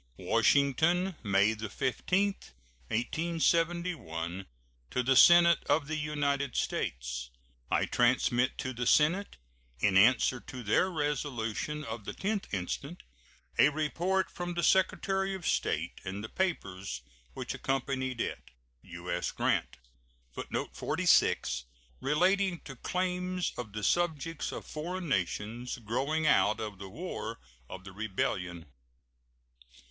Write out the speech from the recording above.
WASHINGTON, May 15, 1871. To the Senate of the United States: I transmit to the Senate, in answer to their resolution of the 10th instant, a report from the Secretary of State and the papers which accompanied it. U.S. GRANT. [Footnote 46: Relating to claims of the subjects of foreign nations growing out of the War of the Rebellion.